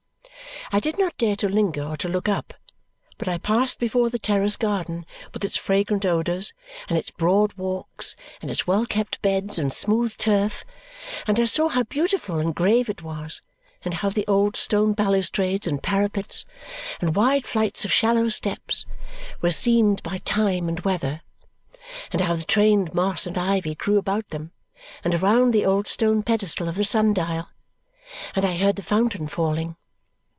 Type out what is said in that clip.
I did not dare to linger or to look up, but I passed before the terrace garden with its fragrant odours, and its broad walks, and its well kept beds and smooth turf; and I saw how beautiful and grave it was, and how the old stone balustrades and parapets, and wide flights of shallow steps, were seamed by time and weather; and how the trained moss and ivy grew about them, and around the old stone pedestal of the sun dial; and I heard the fountain falling.